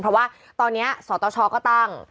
เพราะว่าตอนนี้สตชก็ตั้ง